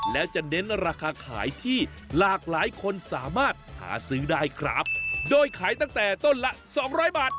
แล้วจะเน้นราคาขายที่หลากหลายคนสามารถหาซื้อได้ครับโดยขายตั้งแต่ต้นละสองร้อยบาท